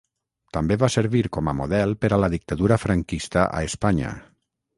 També va servir com a model per a la dictadura franquista a Espanya.